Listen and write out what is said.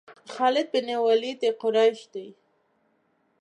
خالد بن ولید د قریش دی.